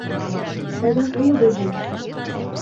— Ҡайҙан улы булһын.